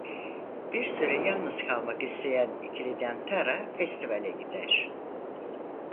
Bir süre yalnız kalmak isteyen ikiliden Tara festivale gider.